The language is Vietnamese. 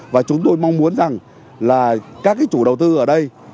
và chúng tôi mong muốn rằng là các cái chủ đầu tư ở đây